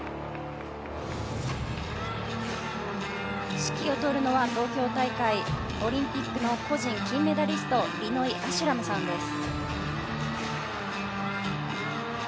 指揮を執るのは東京大会オリンピックの個人金メダリストリノイ・アシュラムさんです。